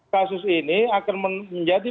kasus ini akan menjadi